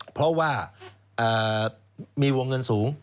เพราะว่ามีวงเงินสูง